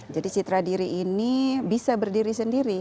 jadi citra diri ini bisa berdiri sendiri